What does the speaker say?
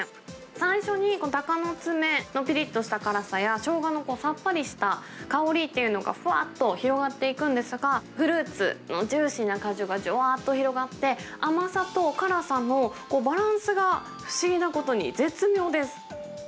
最初にたかの爪のぴりっとした辛さや、ショウガのさっぱりした香りというのがふわっと広がっていくんですが、フルーツのジューシーな果汁がじゅわーっと広がって、甘さと辛さのバランスが不思議なことに絶妙です。